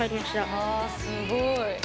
あすごい！